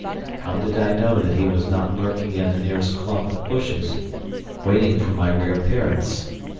How did I know that he was not lurking in the nearest clump of bushes, waiting for my reappearance?